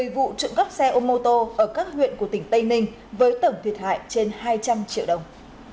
một mươi vụ trộm cắt xe ôm mô tô ở các huyện của tỉnh tây ninh với tổng thiệt hại trên hai trăm linh triệu đồng